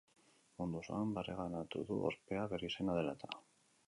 Mundu osoan bereganatu du ospea, bere izena dela eta.